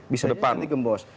bisa jadi gembos